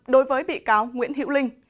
đối với bị cáo nguyễn hữu linh